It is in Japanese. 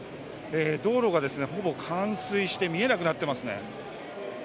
道路がほぼ冠水して見えなくなっていますね。